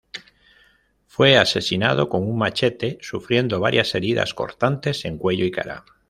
Fue asesinado con un machete, sufriendo varias heridas cortantes en cuello y cara.